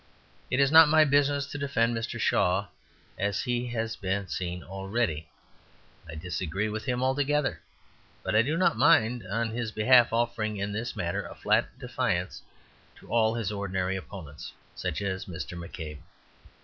It is not my business to defend Mr. Shaw; as has been seen already, I disagree with him altogether. But I do not mind, on his behalf offering in this matter a flat defiance to all his ordinary opponents, such as Mr. McCabe.